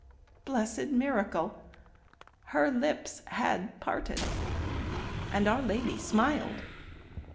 blessed miracle, Her lips had parted and Our Lady smiled!